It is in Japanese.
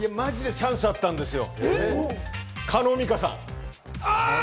チャンスあったんですよ。